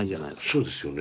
そうですよね。